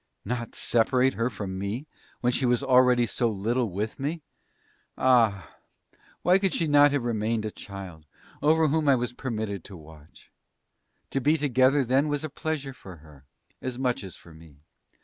Not separate her from me when she was already so little with me! Ah! why could she not have remained a child, over whom I was permitted to watch?... To be together then was a pleasure for her, as much as for me!